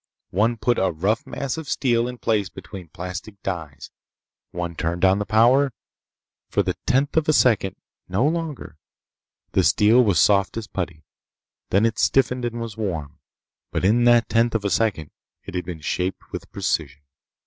One put a rough mass of steel in place between plastic dies. One turned on the power. For the tenth of a second—no longer—the steel was soft as putty. Then it stiffened and was warm. But in that tenth of a second it had been shaped with precision.